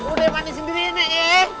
udah mandi sendiri nek